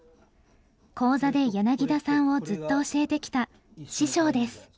講座で柳田さんをずっと教えてきた師匠です。